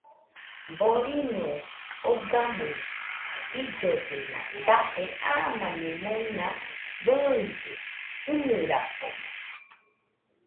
Boriño ogamɨe jillollena daje amani mona bɨide, ɨnɨrakomo